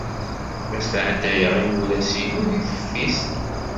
La sɛeddayeɣ imuras-inu deg teftist.